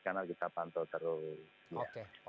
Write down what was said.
karena kita pantau terus